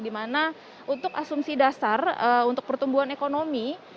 di mana untuk asumsi dasar untuk pertumbuhan ekonomi